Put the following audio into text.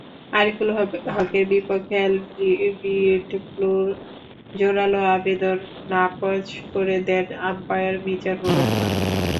আরিফুল হকের বিপক্ষে এলবিডব্লুর জোরালো আবেদন নাকচ করে দেন আম্পায়ার মিজানুর রহমান।